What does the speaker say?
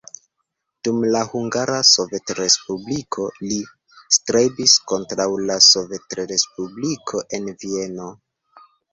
Dum la Hungara Sovetrespubliko li strebis kontraŭ la sovetrespubliko en Vieno.